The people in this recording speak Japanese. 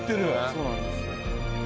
そうなんです。